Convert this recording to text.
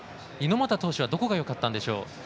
猪俣投手はどこがよかったんでしょう。